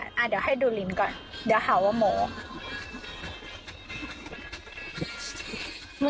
เดี๋ยวให้ดูลิ้นก่อนเดี๋ยวหาว่าหมอ